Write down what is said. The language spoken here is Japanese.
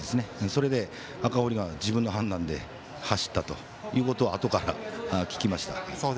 それで赤堀が自分の判断で走ったということをあとから聞きました。